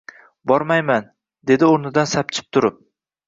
— Bormayman, — dedi o‘rnidan sapchib turib.